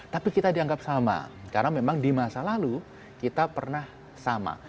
tapi kita dianggap sama karena memang di masa lalu kita pernah sama